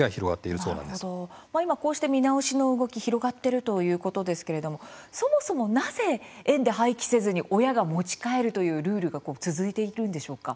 今、こうして見直しの動き広がっているということですけれどもそもそも、なぜ園で廃棄せずに親が持ち帰るというルールが続いているんでしょうか？